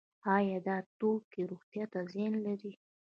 آیا دا توکي روغتیا ته زیان لري؟